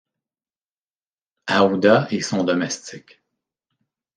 Aouda et son domestique.